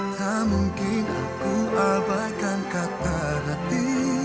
tak mungkin aku abaikan kata hati